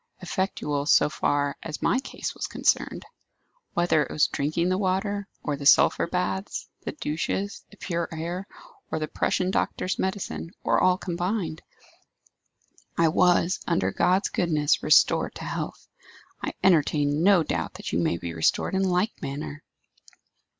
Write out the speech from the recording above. Effectual, so far as my case was concerned. Whether it was drinking the water, or the sulphur baths, the douches, the pure air, or the Prussian doctor's medicine, or all combined, I was, under God's goodness, restored to health. I entertain no doubt that you may be restored in like manner."